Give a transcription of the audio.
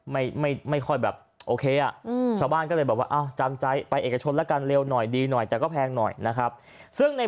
ไม่ค่อยแบบโอเคอ่ะชาวบ้านก็เลยแบบว่า